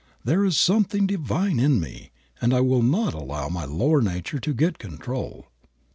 There is something divine in me and I will not allow my lower nature to get control."